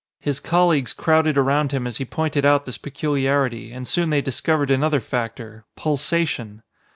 His colleagues crowded around him as he pointed out this peculiarity, and soon they discovered another factor pulsation!